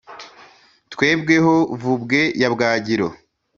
twebwe ho vubwe ya bwagiro,